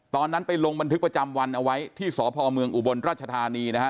ตอนนั้นไปลงบันทึกประจำวันเอาไว้ที่สพเมืองอุบลราชธานีนะฮะ